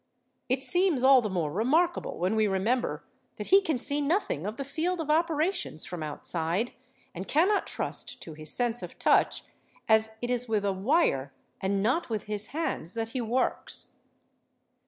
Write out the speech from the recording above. It seems all the more remarkable 'when we remember that he can see nothing of the field of operations from outside, and cannot trust to his sense of touch, as it is with a wire and not with his hands that he works.